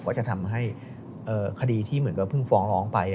จะทำให้คดีที่เหมือนกับเพิ่งฟ้องร้องไป